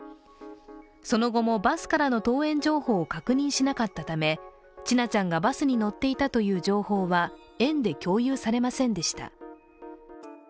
その後も、バスからの登園情報を確認しなかったため千奈ちゃんがバスに乗っていたという情報は園で共有されませんでした。